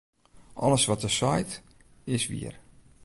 Alles wat er seit, is wier.